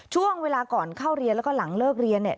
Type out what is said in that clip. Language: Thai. ช่วงเวลาก่อนเข้าเรียนแล้วก็หลังเลิกเรียนเนี่ย